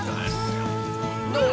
どう？